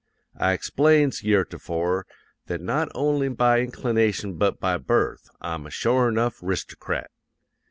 I explains yeretofore, that not only by inclination but by birth, I'm a shore enough 'ristocrat.